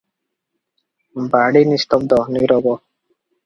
ବାଡ଼ି ନିସ୍ତବ୍ଧ, ନୀରବ ।